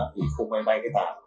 thì không ai bay cái bàn